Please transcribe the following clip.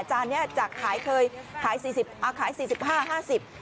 จานเนี้ยจากขายเคยขายสี่สิบอ่าขายสี่สิบห้าห้าสิบ